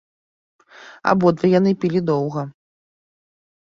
Абодва яны пілі доўга.